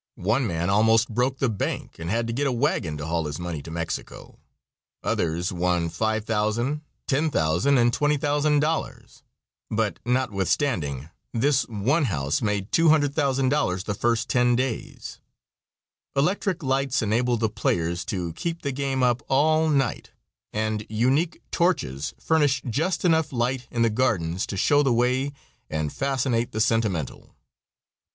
One man almost broke the bank and had to get a wagon to haul his money to Mexico. Others won $5000, $10,000 and $20,000, but notwithstanding this one house made $200,000 the first ten days. Electric lights enable the players to keep the game up all night, and unique torches furnish just enough light in the gardens to show the way and fascinate the sentimental.